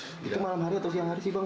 itu malam hari atau siang hari sih bang